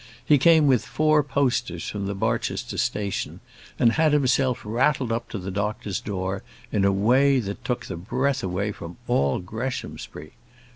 He came with four posters from the Barchester Station, and had himself rattled up to the doctor's door in a way that took the breath away from all Greshamsbury.